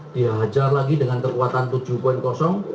dihajar lagi dengan kekuatan tujuh poin kosong